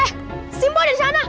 eh simpo ada di sana